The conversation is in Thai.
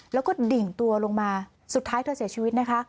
แล้วก็ดิ่งตัวลงมาสุดท้ายเธอเสียชีวิตนะคะ